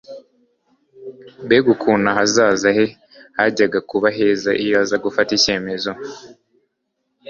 Mbega ukuntu ahazaza he hajyaga kuba heza iyo aza gufata icyemezo !